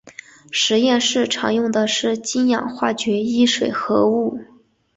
实验室常用的是氢氧化铯一水合物。